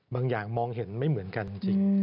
อย่างมองเห็นไม่เหมือนกันจริง